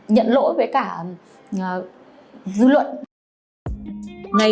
nhận lỗi với cả